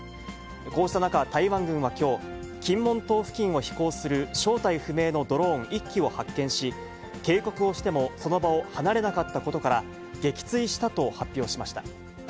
こうした中、台湾軍はきょう、金門島付近を飛行する正体不明のドローン１機を発見し、警告をしてもその場を離れなかったことから、撃墜したと発表しました。